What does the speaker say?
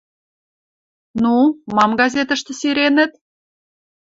«Ну, мам газетӹштӹ сиренӹт?